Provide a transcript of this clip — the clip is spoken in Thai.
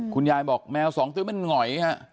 คุณยายบอกแมวสองตื้อมันหงอยฮะ